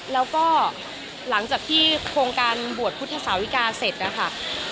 แล้วก็หลังจากที่โครงการบวชพุทธศาวิกาเสร็จนะคะ